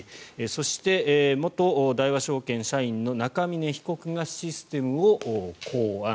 そして、元大和証券社員の中峯被告がシステムを考案。